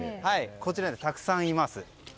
こちら、たくさんいます。